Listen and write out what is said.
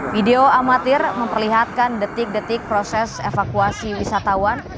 video amatir memperlihatkan detik detik proses evakuasi wisatawan